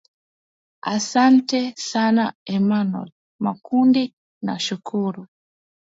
asante sana emanuel makundi nakushukuru